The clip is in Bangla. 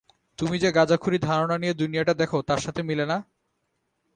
তুমি যে গাঁজাখুরি ধারণা নিয়ে দুনিয়াটা দেখো তার সাথে মিলে না?